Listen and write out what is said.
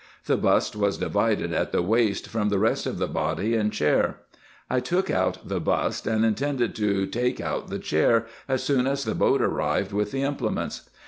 The bust was divided at the waist from the rest of the body and chair. I took 152 RESEARCHES AND OPERATIONS out the bust, and intended to take out the chair, as soon as the boat arrived with the implements.